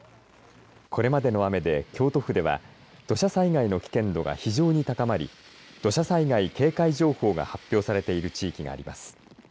これまでの雨で京都府では土砂災害の危険度が非常に高まり土砂災害警戒情報が発表されている地域があります。